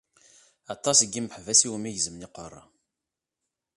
Aṭas n yimeḥbas iwumi gezmen iqerra.